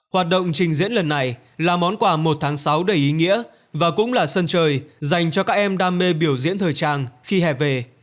hoạt động trình diễn lần này là món quà một tháng sáu đầy ý nghĩa và cũng là sân chơi dành cho các em đam mê biểu diễn thời trang khi hè về